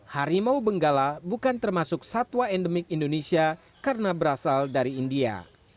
harimau benggala bukan termasuk satwa endemik indonesia karena berasal dari india